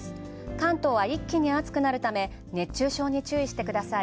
関東は一気に暑くなるため、熱中症に注意してください。